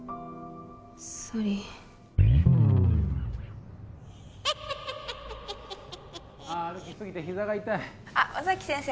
サリー歩きすぎて膝が痛い尾崎先生